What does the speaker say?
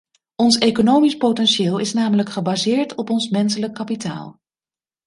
Ons economisch potentieel is namelijk gebaseerd op ons menselijk kapitaal.